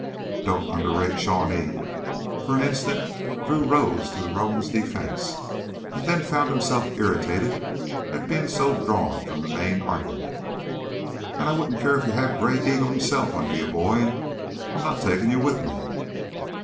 "Don't underrate Shawnee." For an instant Drew rose to the roan's defense and then found himself irritated at being so drawn from the main argument. "And I wouldn't care if you had Gray Eagle, himself, under you, boy I'm not taking you with me.